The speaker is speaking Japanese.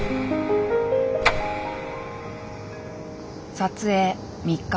撮影３日目。